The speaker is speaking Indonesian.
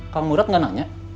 kamu rat gak nanya